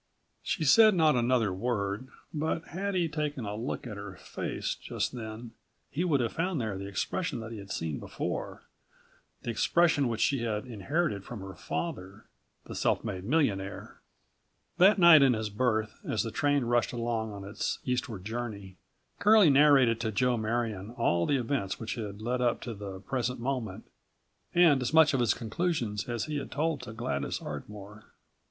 She said not another word but had he taken a look at her face just then he would have found there the expression that he had seen there before, the expression which she had inherited from her father, the self made millionaire. That night in his berth, as the train rushed along on its eastward journey, Curlie narrated to Joe Marion all the events which had led up to the present moment, and as much of his conclusions as he had told to Gladys Ardmore.